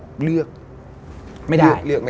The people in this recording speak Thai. ปั๊บ